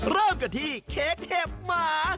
เริ่มกันที่เค้กเห็บหมา